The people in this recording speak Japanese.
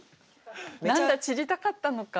「何だ散りたかったのか」